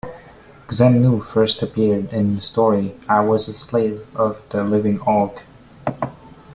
Xemnu first appeared in the story I Was a Slave of the Living Hulk!